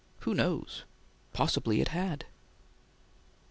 Who knows? Possibly it had!